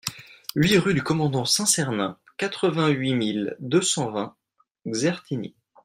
huit rue du Commandant Saint-Sernin, quatre-vingt-huit mille deux cent vingt Xertigny